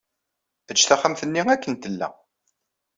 Ejj taxxamt-nni akken tella.